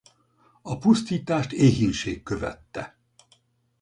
A pusztítást éhínség követte.